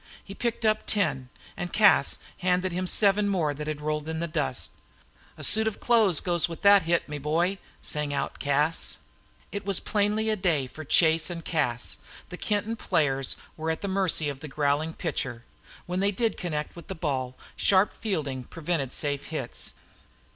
He picked up ten, and Cas handed him seven more that had rolled in the dust. "A suit of clothes goes with that hit, me boy," sang out Cas. It was plainly a day for Chase and Cas. The Kenton players were at the mercy of the growling pitcher. When they did connect with the ball, sharp fielding prevented safe hits.